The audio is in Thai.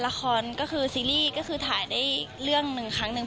ละครก็คือซีรีส์ก็คือถ่ายได้เรื่องหนึ่งครั้งหนึ่ง